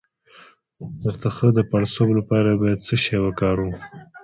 د تخه د پړسوب لپاره باید څه شی وکاروم؟